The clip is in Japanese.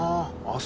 ああ！